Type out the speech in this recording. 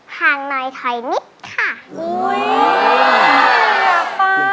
ห่างหน่อยถอยนิดค่ะ